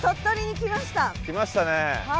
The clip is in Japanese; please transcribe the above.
来ましたね。